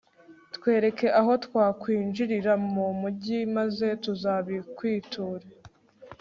twereke aho twakwinjirira mu mugi, maze tuzabikwiture